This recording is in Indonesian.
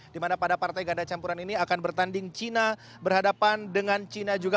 di mana pada partai ganda campuran ini akan bertanding cina berhadapan dengan china juga